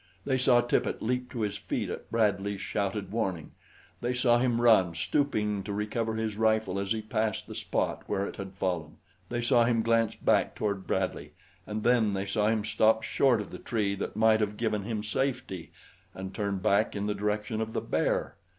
They saw Tippet leap to his feet at Bradley's shouted warning. They saw him run, stooping to recover his rifle as he passed the spot where it had fallen. They saw him glance back toward Bradley, and then they saw him stop short of the tree that might have given him safety and turn back in the direction of the bear.